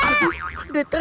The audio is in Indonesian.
aduh udah terpagi